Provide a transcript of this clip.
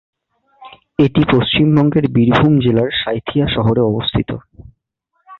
এটি পশ্চিমবঙ্গের বীরভূম জেলার সাঁইথিয়া শহরে অবস্থিত।